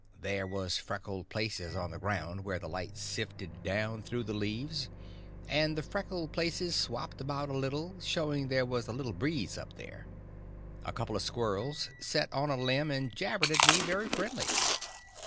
There was freckled places on the ground where the light sifted down through the leaves, and the freckled places swapped about a little, showing there was a little breeze up there. A couple of squirrels set on a limb and jabbered at me very friendly.